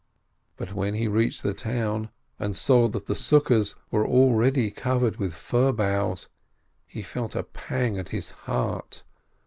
But when he reached the town, and saw that the booths were already covered with fir boughs, he felt a pang at his heart.